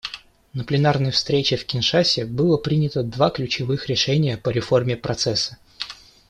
На пленарной встрече в Киншасе было принято два ключевых решения по реформе Процесса.